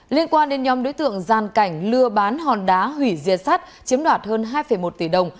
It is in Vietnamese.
liên quan đến nhóm đối tượng gian cảnh lừa bán hòn đá hủy diệt sắt chiếm đoạt hơn hai một tỷ đồng